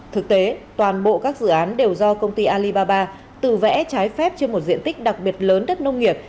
thực tế toàn bộ các dự án đều do công ty alibaba tự vẽ trái phép trên một diện tích đặc biệt lớn đất nông nghiệp